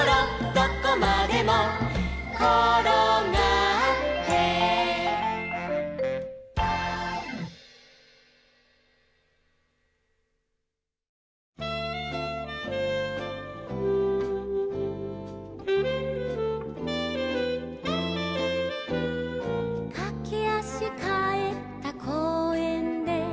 どこまでもころがって」「かけ足かえった公園で」